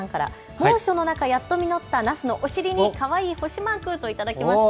猛暑の中やっと実ったナスのお尻にかわいい星マークと頂きました。